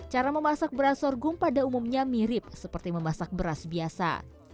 cara memasak beras sorghum pada umumnya mirip seperti memasak beras biasa